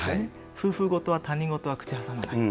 夫婦事は、他人事は口を挟まない。